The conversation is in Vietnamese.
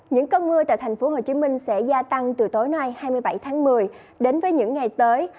những cơn mưa tại tp hcm sẽ gia tăng từ tối nay hai mươi bảy tháng một mươi đến với những ngày tới